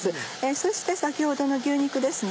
そして先ほどの牛肉ですね